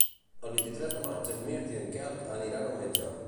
El vint-i-tres de maig en Mirt i en Quel aniran al metge.